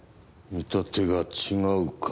見立てが違うか。